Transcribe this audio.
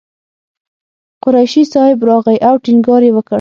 قریشي صاحب راغی او ټینګار یې وکړ.